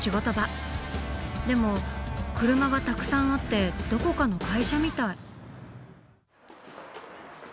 でも車がたくさんあってどこかの会社みたい。